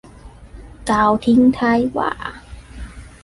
กล่าวทิ้งท้ายว่า